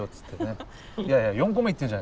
いやいや４個目いってるじゃないですか。